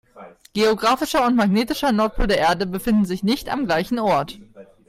Geographischer und magnetischer Nordpol der Erde befinden sich nicht am gleichen Ort.